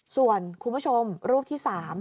ส่วนคุณผู้ชมรูปที่๓